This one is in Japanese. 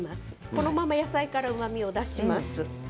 このまま野菜からうまみを出します。